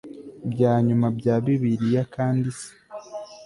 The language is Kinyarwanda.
bya nyuma bya bibiliya kandi se